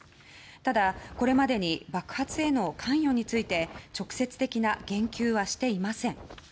ただ、これまでに爆発への関与について直接的な言及はしていません。